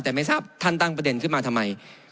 แต่ไม่ทราบท่านตั้งประเด็นขึ้นมาทำไม